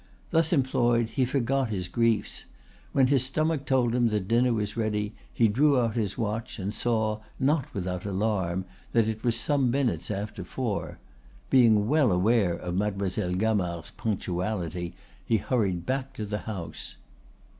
Thus employed he forgot his griefs. When his stomach told him that dinner was ready he drew out his watch and saw, not without alarm, that it was some minutes after four. Being well aware of Mademoiselle Gamard's punctuality, he hurried back to the house.